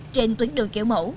trên tuyến đường kiểu mẫu